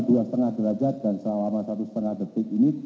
dua lima derajat dan selama satu lima detik ini